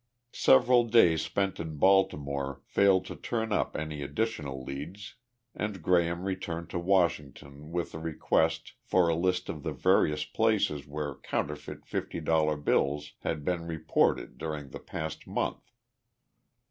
Several days spent in Baltimore failed to turn up any additional leads and Graham returned to Washington with a request for a list of the various places where counterfeit fifty dollar bills had been reported during the past month.